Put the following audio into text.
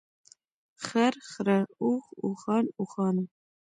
خر، خره، اوښ ، اوښان ، اوښانو .